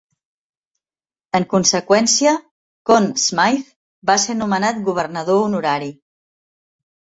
En conseqüència, Conn Smythe va ser nomenat governador honorari.